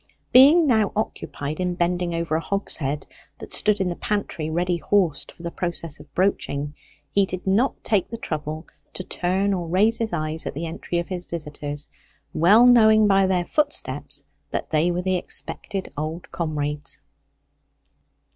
Being now occupied in bending over a hogshead, that stood in the pantry ready horsed for the process of broaching, he did not take the trouble to turn or raise his eyes at the entry of his visitors, well knowing by their footsteps that they were the expected old comrades.